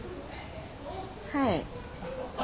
はい。